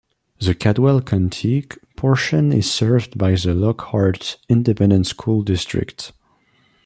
The Caldwell County portion is served by the Lockhart Independent School District.